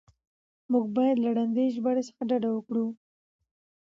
موږ بايد له ړندې ژباړې څخه ډډه وکړو.